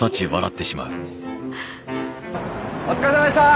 お疲れさまでした！